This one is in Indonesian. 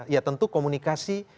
ya tentu komunikasi